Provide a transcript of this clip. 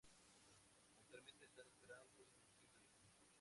Actualmente están esperando su quinto hijo.